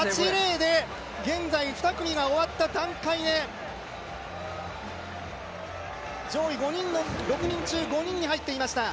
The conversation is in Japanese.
８．０で現在２組が残った段階で上位５人６人中５人に入っていました。